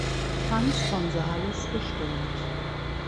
Franz von Sales bestellt.